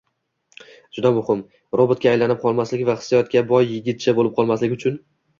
— Juda muhim, robotga aylanib qolmaslik, va hissiyotga boy yigitcha boʻlib qolmaslik uchun.